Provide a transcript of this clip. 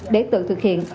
để tự thực hiện